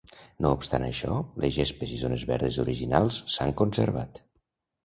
No obstant això, les gespes i zones verdes originals s'han conservat.